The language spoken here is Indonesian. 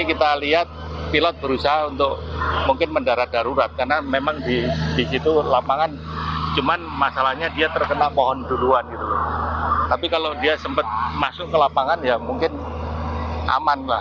pesawat yang berusaha untuk mendarat darurat karena memang di situ lapangan cuma masalahnya dia terkena pohon duluan tapi kalau dia sempat masuk ke lapangan ya mungkin aman lah